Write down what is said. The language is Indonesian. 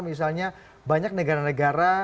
misalnya banyak negara negara